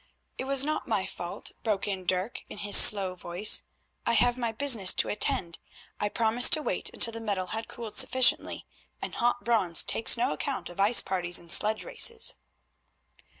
"It was not my fault," broke in Dirk in his slow voice; "I have my business to attend. I promised to wait until the metal had cooled sufficiently, and hot bronze takes no account of ice parties and sledge races."